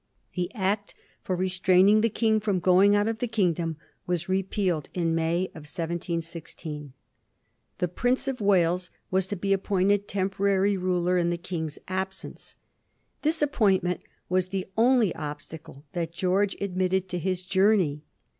The Act for restraining the King from going out of the kingdom was repealed in May 1716. The Prince of Wales was to be ap pointed temporary ruler in the King's absence. This appointment was the only obstacle that George ad mitted to his journey.